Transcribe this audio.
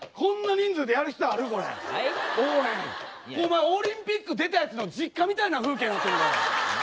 お前オリンピック出たやつの実家みたいな風景になってるから。